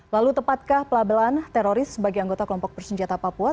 lalu tepatkah pelabelan teroris sebagai anggota kelompok bersenjata papua